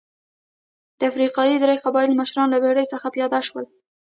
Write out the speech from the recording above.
د افریقا درې قبایلي مشران له بېړۍ څخه پیاده شول.